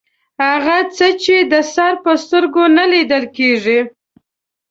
هغه څه چې د سر په سترګو نه لیدل کیږي